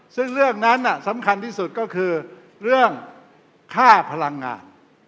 ซึ่งเรื่องนั้นสำคัญที่สุดก็คือเรื่องค่าพลังงาน